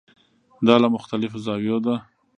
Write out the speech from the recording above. دا له مختلفو زاویو ده.